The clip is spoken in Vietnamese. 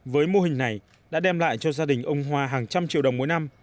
với mô hình này đã đem lại cho gia đình ông hoa hàng trăm triệu đồng mỗi năm